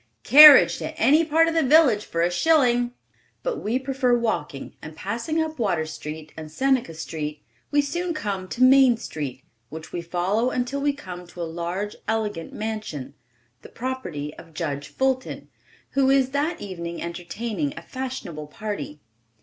"Carriage to any part of the village for a shilling!" But we prefer walking, and passing up Water Street, and Seneca street, we soon come to Main street, which we follow until we come to a large, elegant mansion, the property of Judge Fulton, who is that evening entertaining a fashionable party.